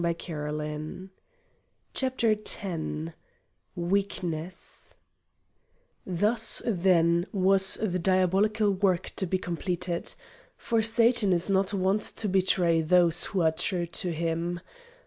CHAPTER X Weakness Thus, then, was the diabolical work to be completed. For Satan is not wont to betray those who are true to him.